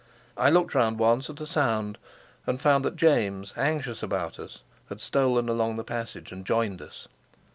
I looked round once at a sound, and found that James, anxious about us, had stolen along the passage and joined us.